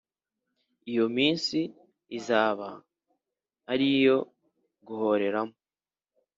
iyo minsi izaba ari iyo guhoreramo